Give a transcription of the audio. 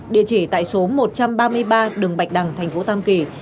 địa chỉ tại số một trăm ba mươi ba đường bạch đằng tp tam kỳ